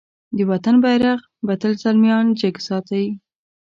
د وطن بېرغ به تل زلميان جګ ساتی.